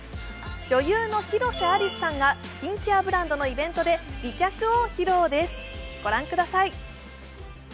女優の広瀬アリスさんがスキンケアブランドのイベントで美脚を披露です。